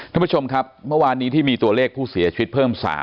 ท่านผู้ชมครับเมื่อวานนี้ที่มีตัวเลขผู้เสียชีวิตเพิ่ม๓